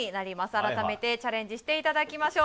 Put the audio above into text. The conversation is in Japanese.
改めてチャレンジしていただきましょう。